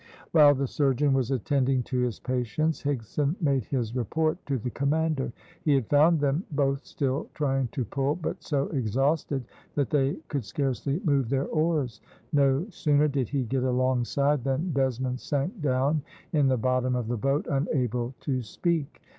While the surgeon was attending to his patients, Higson made his report to the commander. He had found them both still trying to pull, but so exhausted that they could scarcely move their oars. No sooner did he get alongside than Desmond sank down in the bottom of the boat, unable to speak.